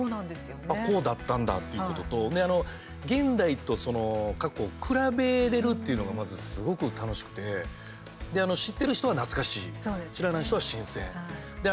あ、こうだったんだっていうことと現代と過去を比べれるっていうのがまずすごく楽しくて知ってる人は懐かしい知らない人は新鮮。